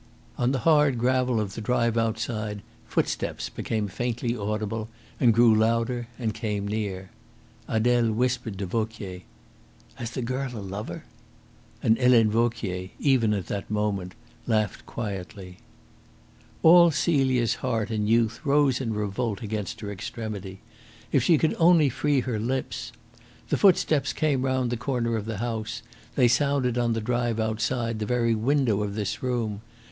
On the hard gravel of the drive outside footsteps became faintly audible, and grew louder and came near. Adele whispered to Vauquier: "Has the girl a lover?" And Helene Vauquier, even at that moment, laughed quietly. All Celia's heart and youth rose in revolt against her extremity. If she could only free her lips! The footsteps came round the corner of the house, they sounded on the drive outside the very window of this room.